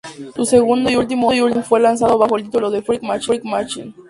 Su segundo y último álbum fue lanzado bajo el título de: "Freak Machine".